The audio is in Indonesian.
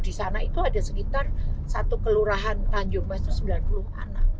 di sana itu ada sekitar satu kelurahan tanjung mas itu sembilan puluh anak